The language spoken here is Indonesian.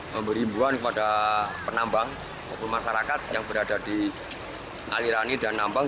memberi imbuan kepada penambang atau masyarakat yang berada di alirani dan nambang